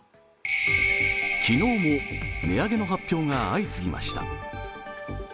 昨日も値上げの発表が相次ぎました。